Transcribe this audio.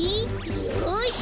よし！